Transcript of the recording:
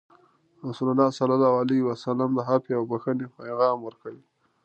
رسول الله صلى الله عليه وسلم د عفوې او بخښنې پیغام ورکوه.